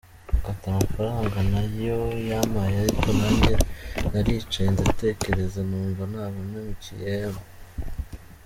Ati “Amafaranga ntayo yampaye ariko nanjye naricaye ndatekereza numva naba mpemukiye M.